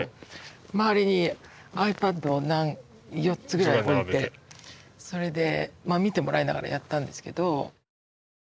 周りにｉＰａｄを４つぐらい置いてそれで見てもらいながらやったんですけど。